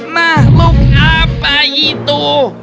makhluk apa itu